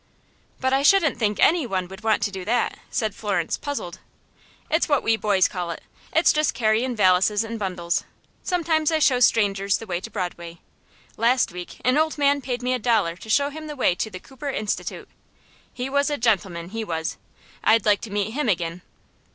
"But I shouldn't think any one would want to do that," said Florence, puzzled. "It's what we boys call it. It's just carryin' valises and bundles. Sometimes I show strangers the way to Broadway. Last week an old man paid me a dollar to show him the way to the Cooper Institute. He was a gentleman, he was. I'd like to meet him ag'in.